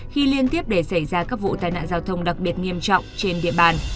khi liên tiếp để xảy ra các vụ tai nạn giao thông đặc biệt nghiêm trọng trên địa bàn